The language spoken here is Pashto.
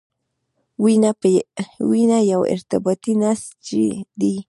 وینه یو ارتباطي نسج دی.